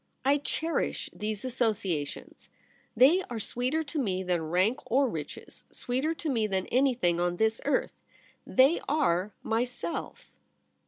I cherish these associations ; they are sweeter to me than rank or riches — sweeter to me than anything on this earth. They are myself.'